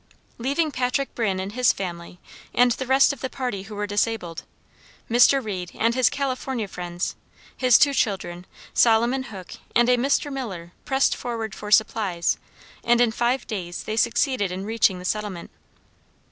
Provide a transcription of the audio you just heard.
Leaving Patrick Brinn and his family and the rest of the party who were disabled, Mr. Reed, and his California friends, his two children, Solomon Hook and a Mr. Miller, pressed forward for supplies, and in five days they succeeded in reaching the settlement.